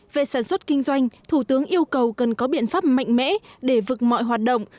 về sản xuất kinh doanh thủ tướng yêu cầu cần có biện pháp mạnh mẽ để vực mọi hoạt động